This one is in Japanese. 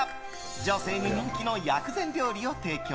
女性に人気の薬膳料理を提供。